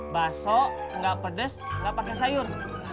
baso enggak pedes enggak pakai sayur